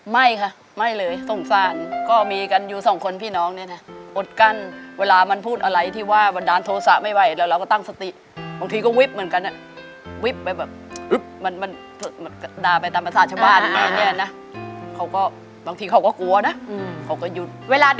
ไม่ค่ะไม่เลยสงสารก็มีกันอยู่สองคนพี่น้องเนี้ยน่ะอดกั้นเวลามันพูดอะไรที่ว่าวันนั้นโทสะไม่ไหวแล้วเราก็ตั้งสติบางทีก็วิ๊บเหมือนกันน่ะวิ๊บเบบแบบกราชบ้านแบบนี้น่ะเค้าก็บางทีเขาก็กลัวมันก็ยุด